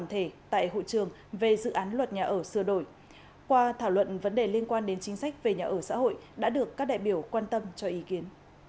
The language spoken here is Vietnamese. hãy đăng ký kênh để ủng hộ kênh của chúng mình nhé